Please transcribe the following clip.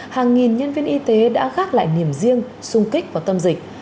hàng nghìn nhân viên y tế đã gác lại niềm riêng sung kích và tâm dịch